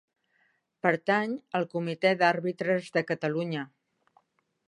Pertany al Comitè d'Àrbitres de Catalunya.